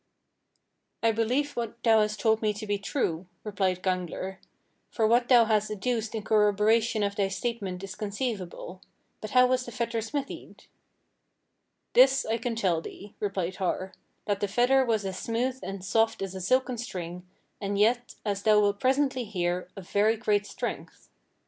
"I believe what thou hast told me to be true," replied Gangler, "for what thou hast adduced in corroboration of thy statement is conceivable. But how was the fetter smithied?" "This can I tell thee," replied Har, "that the fetter was as smooth and soft as a silken string, and yet, as thou wilt presently hear, of very great strength.